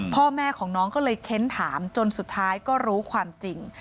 พ่อแม่ของน้องก็เลยเค้นถามจนสุดท้ายก็รู้ความจริง